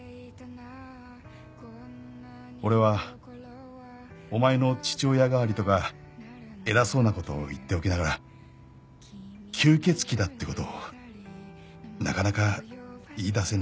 「俺はお前の父親代わりとかエラそうなことを言っておきながら吸血鬼だってことをなかなか言い出せなかった」